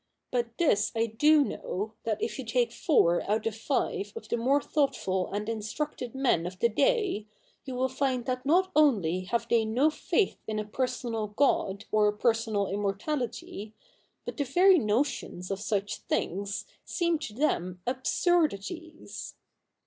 But this I do know, that if you take four out of five of the more thoughtful and instructed men of the day, you will find that not only have they no faith in a personal God or a personal immortality, but the very notions of such things seem to them absurdities.'